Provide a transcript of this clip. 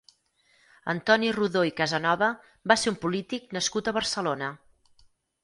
Antoni Rodó i Casanova va ser un polític nascut a Barcelona.